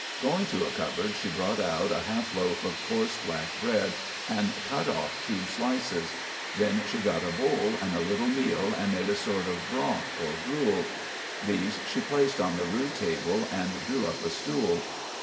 Going to a cupboard, she brought out a half loaf of coarse black bread and cut off two slices. Then she got a bowl and a little meal and made a sort of broth or gruel. These she placed on the rude table and drew up a stool.